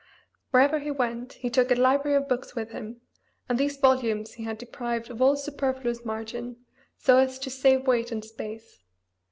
Wherever he went he took a library of books with him, and these volumes he had deprived of all superfluous margin, so as to save weight and space.